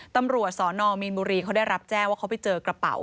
ตำรวจสนมีนบุรีเขาได้รับแจ้งว่าเขาไปเจอกระเป๋า